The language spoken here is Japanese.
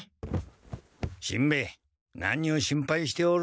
しんべヱ何を心配しておる？